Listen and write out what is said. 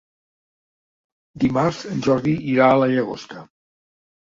Dimarts en Jordi irà a la Llagosta.